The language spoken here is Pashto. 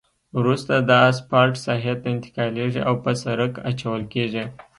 وروسته دا اسفالټ ساحې ته انتقالیږي او په سرک اچول کیږي